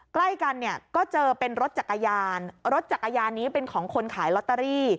ใกล้กันเนี่ยก็เจอเป็นรถจักรยานรถจักรยานนี้เป็นของคนขายลอตเตอรี่